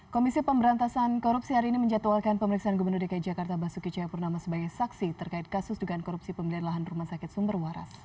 komisi pemberantasan korupsi hari ini menjatuhkan pemeriksaan gubernur dki jakarta basuki cahayapurnama sebagai saksi terkait kasus dugaan korupsi pembelian lahan rumah sakit sumber waras